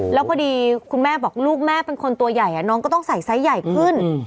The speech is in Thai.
แล้วพอดีคุณแม่บอกลูกแม่เป็นคนตัวใหญ่น้องก็ต้องใส่ไซส์ใหญ่ขึ้น